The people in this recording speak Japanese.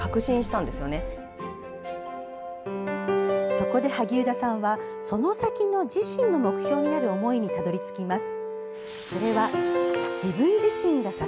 そこで萩生田さんはその先の自身の目標になる思いにたどり着きます。